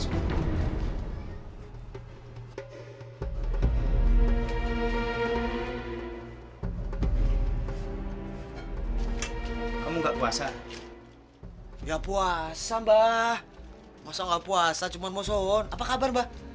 kamu nggak puasa ya puasa mbah masa puasa cuman musuh apa kabar mbah